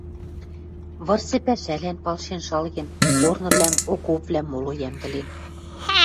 Вырсы пӓшӓлӓн палшен шалген, корнывлӓм, окопвлӓм моло йӓмдӹлен.